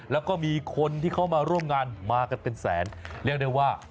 แล้วก็มีคนที่เขามาร่วมงานมากันเป็นแสนเรียกได้ว่า